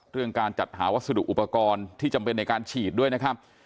การจัดหาวัสดุอุปกรณ์ที่จำเป็นในการฉีดด้วยนะครับ